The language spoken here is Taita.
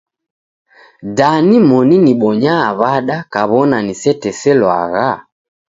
Da nimoni nibonyaa w'ada kaw'ona niseteselwagha?